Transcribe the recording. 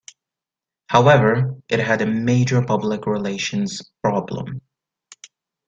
However, it had a major public relations problem.